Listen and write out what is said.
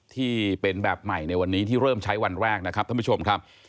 ที่เป็นแบบใหม่ในวันนี้ที่เริ่มใช้วันแรกนะครับท่านผู้ชมครับ